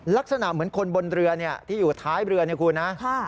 ลักษณะเหมือนคนบนเรือที่อยู่ท้ายเรือเนี่ยคุณนะ